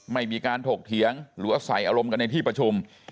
ไม่มีการถกเถียงหรือว่าใส่อารมณ์กันในที่ประชุม